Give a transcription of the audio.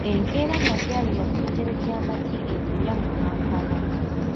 Enkeera n'atwalibwa ku kitebe ky'amagye e Mbuya mu Kampala.